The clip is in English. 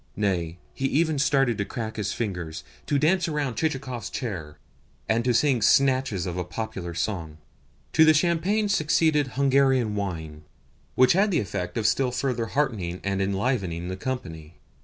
Nay, he even started to crack his fingers, to dance around Chichikov's chair, and to sing snatches of a popular song. To the champagne succeeded Hungarian wine, which had the effect of still further heartening and enlivening the company.